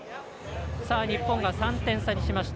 日本が３点差にしました。